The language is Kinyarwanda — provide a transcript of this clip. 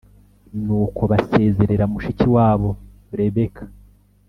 Nuko basezerera mushiki wabo Rebeka